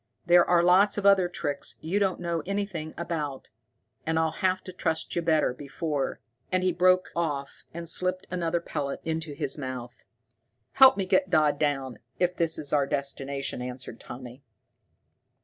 There are lots of other tricks you don't know anything about, and I'll have to trust you better before " He broke off and slipped another pellet into his mouth. "Help me get Dodd down, if this is our destination," answered Tommy.